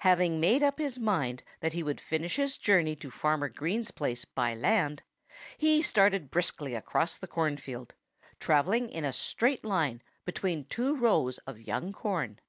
Having made up his mind that he would finish his journey to Farmer Green's place by land, he started briskly across the cornfield, travelling in a straight line between two rows of young corn.